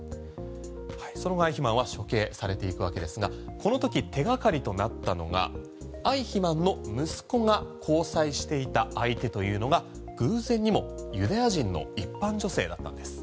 その後アイヒマンは処刑されていくわけですがこのとき手がかりとなったのがアイヒマンの息子が交際していた相手というのが偶然にもユダヤ人の一般女性だったんです。